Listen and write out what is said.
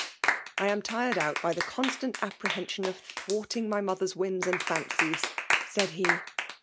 " I am tired out by the .constant appreh^DK sion of thwarting my mother's whims and fan cies," said he.